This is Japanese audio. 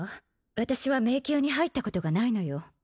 私は迷宮に入ったことがないのよ